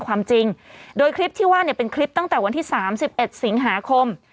ความจริงโดยคลิปที่ว่าเนี่ยเป็นคลิปตั้งแต่วันที่๓๑สิงหาคม